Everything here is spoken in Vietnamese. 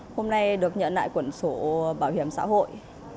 hôm nay được nhận lại quẩn sổ bảo hiểm xã hội